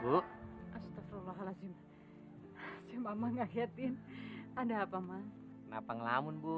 bu astagfirullahaladzim cuma mengagetin ada apa ma kenapa ngelamun bu